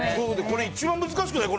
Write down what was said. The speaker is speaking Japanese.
これ一番難しくない？